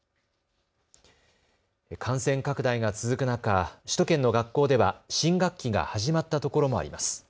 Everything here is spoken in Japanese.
感染拡大が続く中、首都圏の学校では新学期が始まったところもあります。